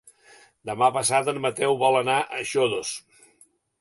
Demà passat en Mateu vol anar a Xodos.